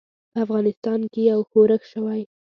په افغانستان کې یو ښورښ شوی.